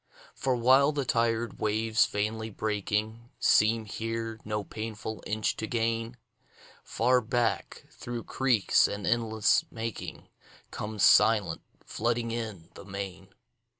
For while the tired waves, vainly breaking, Seem here no painful inch to gain, Far back, through creeks and inlets making, Comes silent, flooding in, the main.